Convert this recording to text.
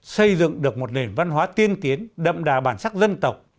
xây dựng được một nền văn hóa tiên tiến đậm đà bản sắc dân tộc